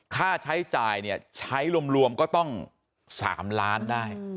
ค่าใช้จ่ายเนี่ยใช้รวมก็ต้อง๓ล้านได้